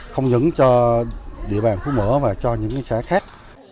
không những cho địa bàn phú mỡ và cho những xã khác